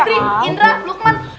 sobri indra lukman